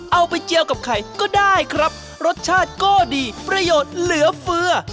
เจียวกับไข่ก็ได้ครับรสชาติก็ดีประโยชน์เหลือเฟือ